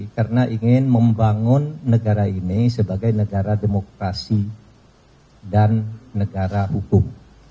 karena ingin membangun negara ini sebagai negara demokrasi dan negara hukum